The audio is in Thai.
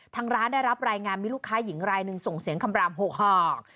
ทางร้านได้รับรายงานมีลูกค้าหญิงรายหนึ่งส่งเสียงคำราม๖หอก